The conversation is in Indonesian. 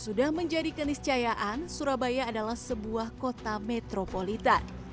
sudah menjadi keniscayaan surabaya adalah sebuah kota metropolitan